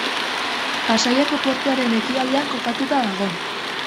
Pasaiako portuaren ekialdean kokatuta dago.